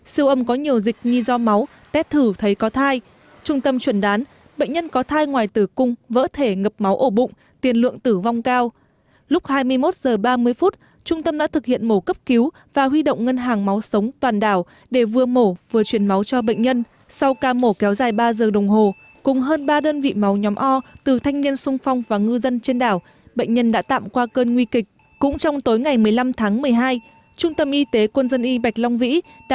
trước đó khoảng hai mươi một h ngày một mươi năm tháng một mươi hai trung tâm y tế quân dân y bạch long vĩ tiếp nhận bệnh nhân ngọc vào cấp cứu trong tình trạng sốc do đau mất máu da và niêm mạc trắng nhợt phản ứng thành bụng mạnh